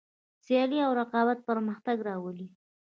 سیالي او رقابت پرمختګ راولي.